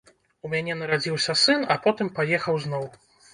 У мяне нарадзіўся сын, а потым паехаў зноў.